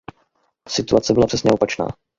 Situace byla přesně opačná.